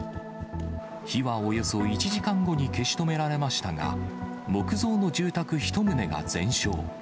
火はおよそ１時間後に消し止められましたが、木造の住宅１棟が全焼。